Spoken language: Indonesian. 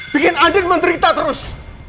bikin andin menderita terus